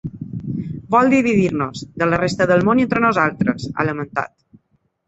Vol dividir-nos, de la resta del món i entre nosaltres, ha lamentat.